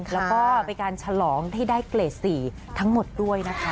แล้วก็เป็นการฉลองที่ได้เกรด๔ทั้งหมดด้วยนะคะ